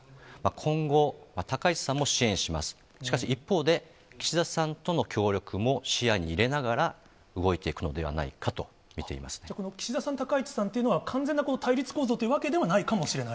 今後、高市さんも支援します、しかし一方で、岸田さんとの協力も視野に入れながら、動いていくのではないかと岸田さん、高市さんというのは、完全な対立構造というわけではないかもしれない。